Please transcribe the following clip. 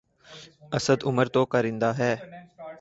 اسد عمر تو کارندہ ہے۔